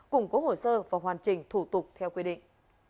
củng cố hồ sơ và hoàn chỉnh thủ tục theo quy định